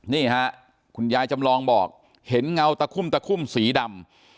นี่ฮะคุณยายจำลองบอกเห็นเงาตะคุ่มตะคุ่มสีดำ